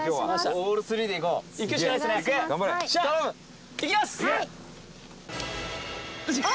オールスリーでいこう。